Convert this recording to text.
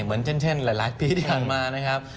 เหมือนเช่นหลายปีที่ผ่านมานะครับ